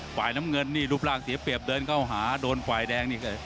ฝ่ายน้ำเงินนี่รูปร่างเสียเปรียบเดินเข้าหาโดนฝ่ายแดงนี่เลย